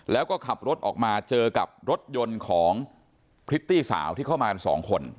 แล้วก็ขับรถออกมาเจอกับรถยนต์ของพริตตี้สาวที่เข้ามากันสองคน